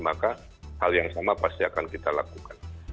maka hal yang sama pasti akan kita lakukan